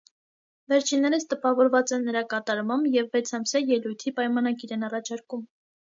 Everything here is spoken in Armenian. Վերջիններս տպավորված են նրա կատարմամբ և վեցամսյա ելույթի պայմանագիր են առաջարկում։